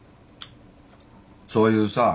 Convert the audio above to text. そういうさ